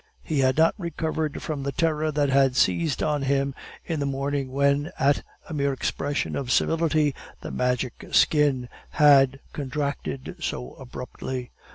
He had not recovered from the terror that had seized on him in the morning when, at a mere expression of civility, the Magic Skin had contracted so abruptly.